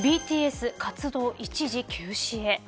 ＢＴＳ活動一時休止へ。